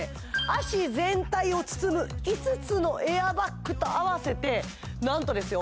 脚全体を包む５つのエアバッグと合わせて何とですよ